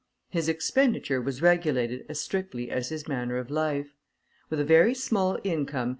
His expenditure was regulated as strictly as his manner of life. With a very small income, M.